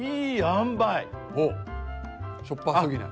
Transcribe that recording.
しょっぱすぎない。